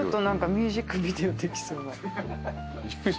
ミュージックビデオできそう？